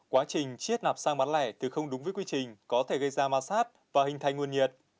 quá trình chiết nạp xăng bán lẻ từ không đúng với quy trình có thể gây ra ma sát và hình thành nguồn nhiệt